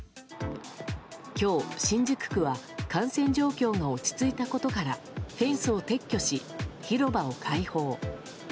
今日、新宿区は感染状況が落ち着いたことからフェンスを撤去し、広場を開放。